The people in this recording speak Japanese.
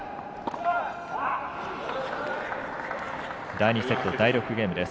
第２セット、第６ゲームです。